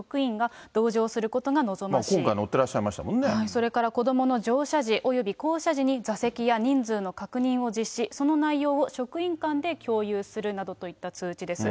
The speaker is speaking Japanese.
それから子どもの乗車時、および降車時に、座席や人数の確認を実施、その内容を職員間で共有するなどといった通知です。